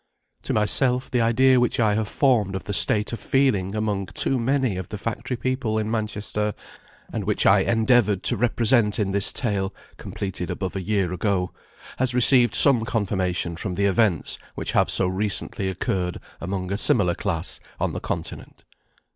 To myself the idea which I have formed of the state of feeling among too many of the factory people in Manchester, and which I endeavoured to represent in this tale (completed above a year ago), has received some confirmation from the events which have so recently occurred among a similar class on the Continent.